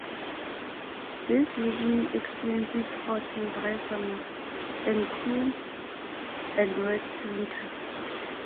This region experiences hot and dry summers, and cool and wet winters.